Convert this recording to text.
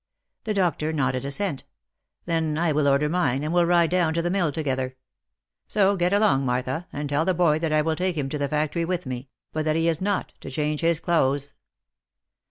The doctor nodded assent. " Then I will order mine, and we'll ride down to the mill together. So get along, Martha, and tell the boy that I will take him to the factorv with me, but that he is not to change his clothes."